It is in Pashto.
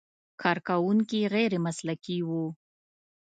کارکوونکي غیر مسلکي و.